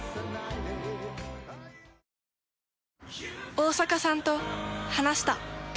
大坂さんと話した。